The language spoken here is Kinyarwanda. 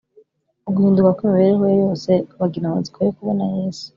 , uguhinduka kw’imibereho ye yose. Bagira amatsiko yo kubona Yesu.